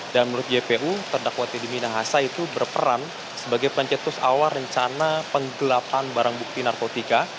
dan menurut jpu terdakwa teddy minasa itu berperan sebagai pencetus awal rencana penggelapan barang bukti narkotika